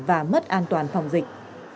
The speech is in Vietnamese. và mất an toàn phòng dịch